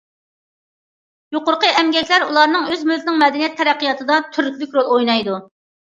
يۇقىرىقى ئەمگەكلەر ئۇلارنىڭ ئۆز مىللىتىنىڭ مەدەنىيەت تەرەققىياتىدا تۈرتكىلىك رول ئوينىغان.